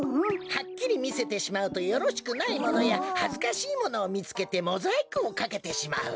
はっきりみせてしまうとよろしくないものやはずかしいものをみつけてモザイクをかけてしまう。